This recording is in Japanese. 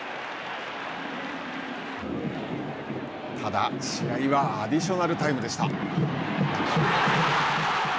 ただ、試合はアディショナルタイムでした。